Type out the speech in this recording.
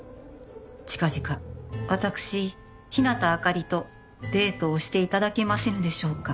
「近々私日向明里と」「デートをして頂けませぬでしょうか？」